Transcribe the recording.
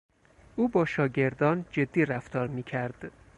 او با شاگردان جدی رفتار می کرد.